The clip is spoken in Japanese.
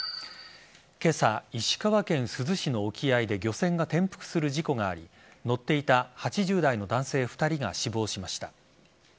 今朝、石川県珠洲市の沖合で漁船が転覆する事故があり乗っていた８０代の男性２人が死亡しました。